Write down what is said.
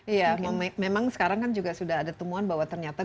iya memang sekarang kan juga sudah ada temuan bahwa ternyata